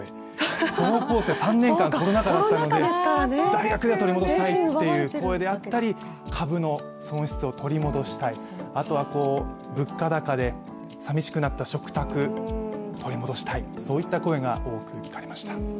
高校生、３年間、コロナ禍だったので、大学で取り戻したいっていう声であったり株の損失を取り戻したいあとは物価高でさびしくなった食卓、取り戻したいといった声が多く聞かれました。